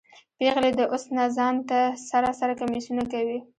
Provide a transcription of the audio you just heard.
پیغلې د اوس نه ځان ته سره سره کمیسونه کوي